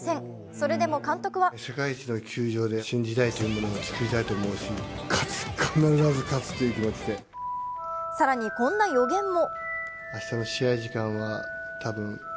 それでも監督は更にこんな予言も。